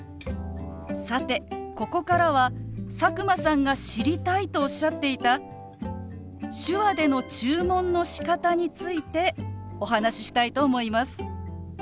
さてここからは佐久間さんが知りたいとおっしゃっていた手話での注文のしかたについてお話ししたいと思います。